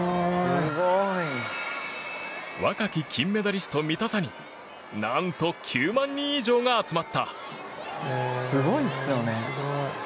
若き金メダリスト見たさに何と９万人以上が集まった。